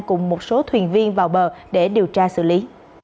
cùng một số thuyền viên vào bờ để điều tra xử lý